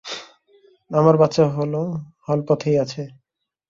আমার বাচ্চা হল পথেই আছে!